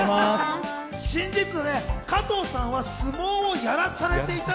新事実、加藤さんは相撲をやらされていた。